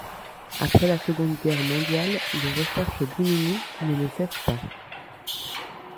Après la Seconde Guerre mondiale, les recherches diminuent mais ne cessent pas.